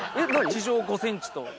地上５ｃｍと。